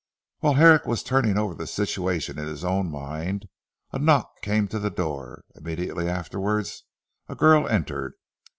While Herrick was turning over the situation in his own mind, a knock came to the door, immediately afterwards a girl entered.